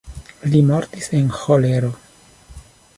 Li mortis en ĥolero.